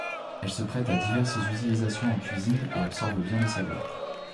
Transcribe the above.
Elle se prête à diverses utilisations en cuisine et absorbe bien les saveurs.